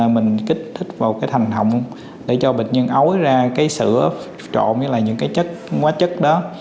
mình kích thích vào cái thành hộng để cho bệnh nhân ối ra cái sữa trộn với những cái quá chất đó